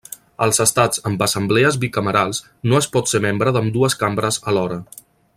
Als estats amb assemblees bicamerals, no es pot ser membre d'ambdues cambres alhora.